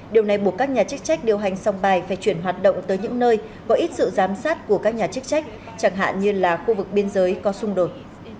điều này buộc các nhà chức trách điều hành song bài phải chuyển hoạt động tới những nơi có ít sự giám sát của các nhà chức trách chẳng hạn như là khu vực biên giới có xung đột